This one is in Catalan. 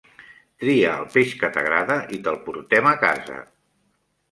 Tria el peix que t'agrada i te'l portem a casa.